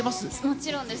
もちろんです。